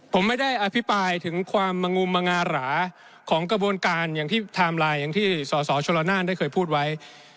ผมไม่ได้อภิปรายถึงความมงาหราของกระบวนการอย่างที่ไทม์ไลน์อย่างที่สสชลนานได้เคยพูดไว้